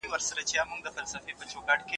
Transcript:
ولي ملاتړ اړین دی؟